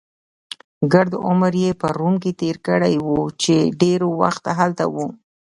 ګرد عمر يې په روم کې تېر کړی وو، چې ډېر وخت هلته و.